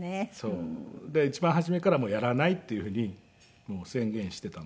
で一番初めからもうやらないっていうふうに宣言していたので。